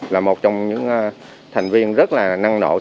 là một trong những thành viên rất là năng nổ